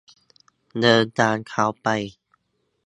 เดินตามเค้าไป